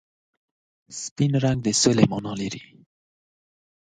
سپین رنګ د سولې مانا لري.